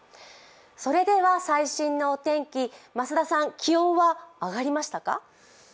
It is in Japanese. それでは最新のお天気、増田さん、気温は上がりましたか？